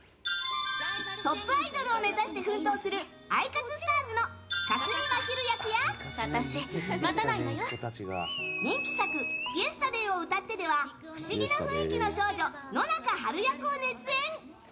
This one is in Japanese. トップアイドルを目指して奮闘する「アイカツスターズ！」の香澄真昼役や人気作「イエスタデイをうたって」では不思議な雰囲気の少女野中晴役を熱演。